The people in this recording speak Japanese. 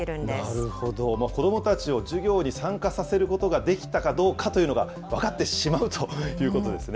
なるほど、子どもたちを授業に参加させることができたかどうかというのが分かってしまうということですね。